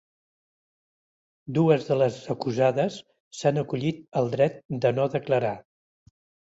Dues de les acusades s’han acollit al dret de no declarar.